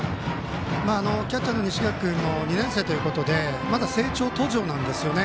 キャッチャーの西垣君も２年生ということでまだ成長途上なんですよね。